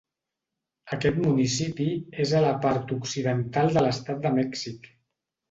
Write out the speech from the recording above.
Aquest municipi és a la part occidental de l'estat de Mèxic.